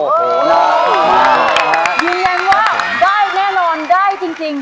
ยูเองว่าวได้แน่นอนได้จริง